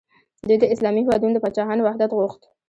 دوی د اسلامي هیوادونو د پاچاهانو وحدت غوښت.